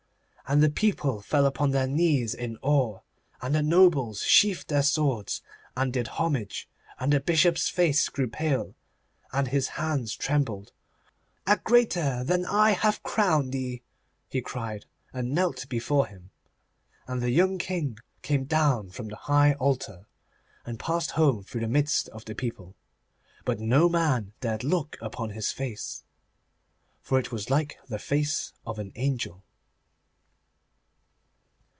And the people fell upon their knees in awe, and the nobles sheathed their swords and did homage, and the Bishop's face grew pale, and his hands trembled. 'A greater than I hath crowned thee,' he cried, and he knelt before him. And the young King came down from the high altar, and passed home through the midst of the people. But no man dared look upon his face, for it was like the face of an angel.